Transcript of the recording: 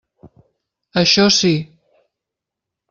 Això sí.